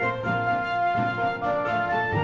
saya permisi ya bu